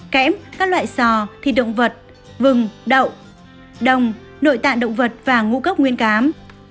kẽm các loại sò thịt động vật vừng đậu đồng nội tạng động vật và ngũ cốc nguyên cám